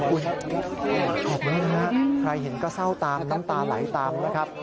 ขอบคุณนะฮะใครเห็นก็เศร้าตามน้ำตาไหลตามนะครับ